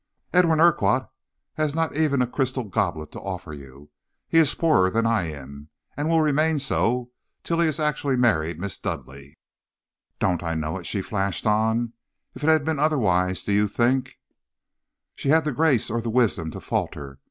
"'Edwin Urquhart has not even a crystal goblet to offer you. He is poorer than I am, and will remain so till he has actually married Miss Dudleigh.' "'Don't I know it!' she flashed out. 'If it had been otherwise do you think ' "She had the grace or the wisdom to falter.